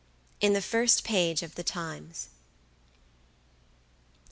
IN THE FIRST PAGE OF "THE TIMES."